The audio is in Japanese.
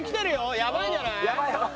やばいんじゃない？